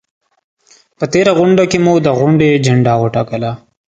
په تېره غونډه کې مو د غونډې اجنډا وټاکله؟